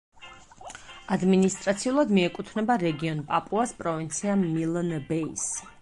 ადმინისტრაციულად მიეკუთვნება რეგიონ პაპუას პროვინცია მილნ-ბეის.